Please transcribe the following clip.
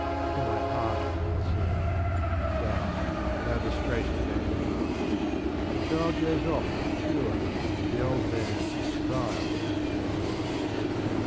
To my heart, I said, '' Die, thou disgrace to mankind ! The child goes off pure, the old man, vile in mind